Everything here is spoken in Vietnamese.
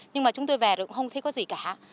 nhưng mà chúng tôi về rồi cũng không thấy có gì cả